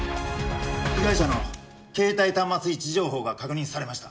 被害者の携帯端末位置情報が確認されました。